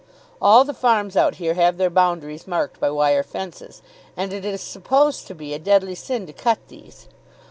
All the farms out here have their boundaries marked by wire fences, and it is supposed to be a deadly sin to cut these.